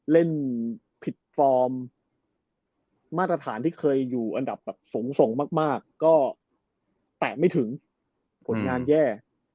เล่นผิดฟอร์มมาตรฐานที่เคยอยู่อันดับแบบสูงส่งมากก็แตะไม่ถึงผลงานแย่